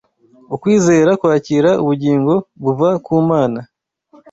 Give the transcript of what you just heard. Ukwizera kwakira ubugingo buva ku Mana